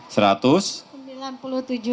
seratus sembilan puluh tujuh